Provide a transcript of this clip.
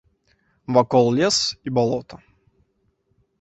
Вакол лес і балота.